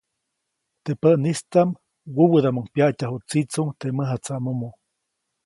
Teʼ päʼnistaʼm wäwädaʼmʼuŋ pyaʼtyaju tsitsuuŋ teʼ mäjatsaʼmomo.